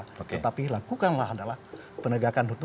tetapi lakukanlah adalah penegakan hukum